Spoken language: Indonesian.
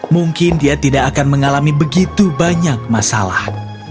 mungkin dia tidak akan mengalami begitu banyak masalah